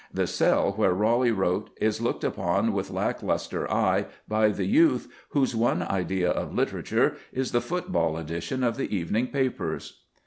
The cell where Raleigh wrote is looked upon with lack lustre eye by the youth whose one idea of literature is the football edition of the evening papers.